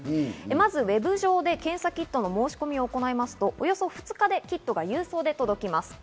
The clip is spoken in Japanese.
まずウェブ上で検査キットの申し込みを行いますと、およそ２日でキットが郵送で届きます。